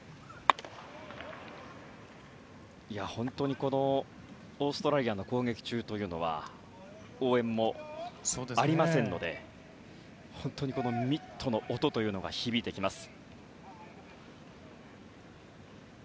本当に、オーストラリアの攻撃中というのは応援もありませんので本当にミットの音というのが響いてきます。